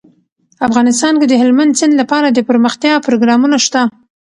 افغانستان کې د هلمند سیند لپاره دپرمختیا پروګرامونه شته.